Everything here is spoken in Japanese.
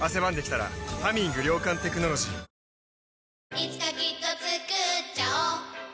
いつかきっとつくっちゃおう